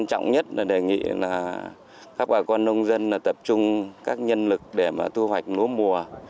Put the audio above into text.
các bà con nông dân tập trung các nhân lực để thu hoạch lúa mùa